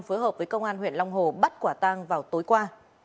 phối hợp với công an huyện long hồ bắt quả tang vào tối qua